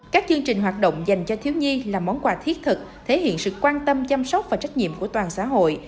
các chương trình hoạt động dành cho thiếu nhi là món quà thiết thực thể hiện sự quan tâm chăm sóc và trách nhiệm của toàn xã hội